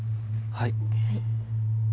はい。